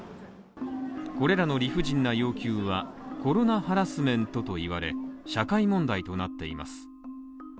これらの理不尽な要求はコロナハラスメントといわれ社会問題となっています